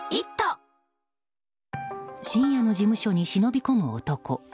深夜の事務所に忍び込む男。